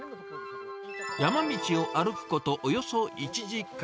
山道を歩くことおよそ１時間。